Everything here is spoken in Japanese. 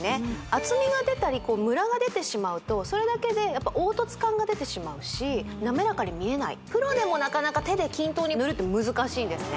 厚みが出たりムラが出てしまうとそれだけでやっぱ凹凸感が出てしまうし滑らかに見えないプロでもなかなか手で均等に塗るって難しいんですね